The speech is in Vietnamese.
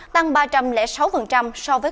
tăng ba trăm linh sáu so với